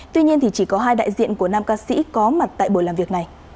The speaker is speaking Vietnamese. tuy nhiên chỉ có hai đại diện của nam ca sĩ có mặt tại buổi làm việc